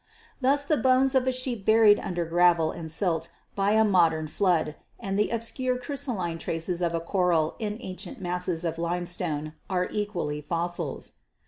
Thus the bones of a sheep buried under gravel and silt by a modern flood and the obscure crystalline traces of a coral in ancient masses of limestone are equally fossils.